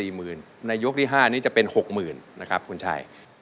หมื่นในยกที่๕นี้จะเป็น๖๐๐๐นะครับคุณชัย